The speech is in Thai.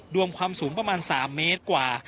ความสูงประมาณ๓เมตรกว่า